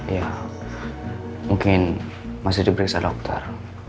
iya mungkin masih di periksa dokter